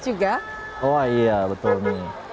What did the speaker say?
juga oh iya betul